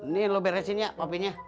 nih lo beresin ya papinya